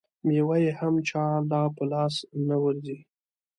مېوه یې هم چا له په لاس نه ورځي.